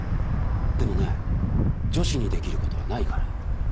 でもね女子にできる事はないから。